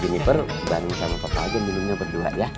jeniper bareng sama papa aja diminumnya berdua ya